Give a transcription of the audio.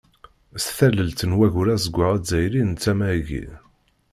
S tallelt n Waggur azeggaɣ azzayri n tama-agi.